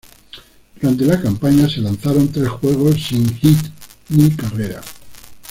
Durante la campaña se lanzaron tres juegos sin hit ni carrera.